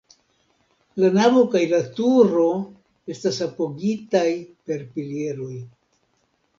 La navo kaj la turo estas apogitaj per pilieroj.